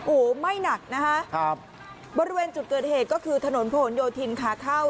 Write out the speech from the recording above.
โอ้โหไม่หนักนะคะครับบริเวณจุดเกิดเหตุก็คือถนนผนโยธินขาเข้า